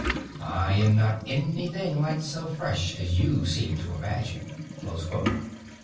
I am not anything like so fresh as you seem to imagine."